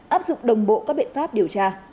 áp dụng đồng bộ các biện pháp điều tra